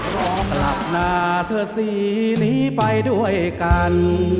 ขอกลับหน้าเธอสีนี้ไปด้วยกัน